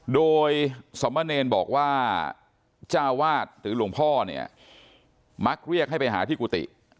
โดยสมเนรบอกว่าเจ้าวาดหรือหลวงพ่อเนี่ยมักเรียกให้ไปหาที่กุฏิ